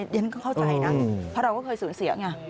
ฉันก็เข้าใจนะเพราะเราก็เคยสูญเสียไง